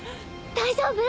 大丈夫？